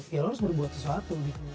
ya lo harus berbuat sesuatu gitu